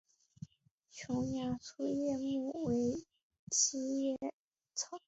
琼崖粗叶木为茜草科粗叶木属下的一个种。